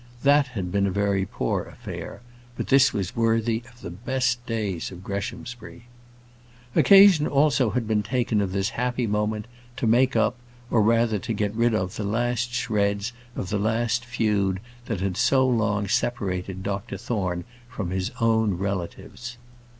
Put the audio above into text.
That had been a very poor affair, but this was worthy of the best days of Greshamsbury. Occasion also had been taken of this happy moment to make up, or rather to get rid of the last shreds of the last feud that had so long separated Dr Thorne from his own relatives.